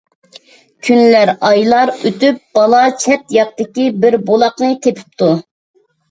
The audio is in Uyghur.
كۈنلەر، ئايلار ئۆتۈپ بالا چەت - ياقىدىكى بىر بۇلاقنى تېپىپتۇ.